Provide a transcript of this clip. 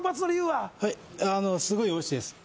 はいすごいおいしいです